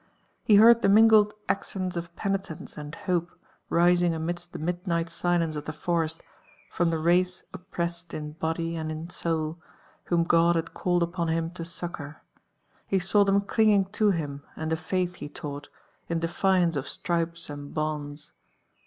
He heard the mingled accents of penitence and hope rising amidst the midnight si lence of the forest from the race oppressed in body and in soul, whom God had called upon him to succour ; he saw them clinging to him and the failh he taught, in defiance of stripes and bonds.